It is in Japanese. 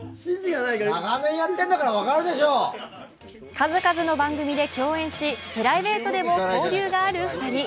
数々の番組で共演し、プライベートでも交流がある２人。